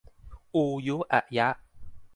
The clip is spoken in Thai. อูยุอะยะ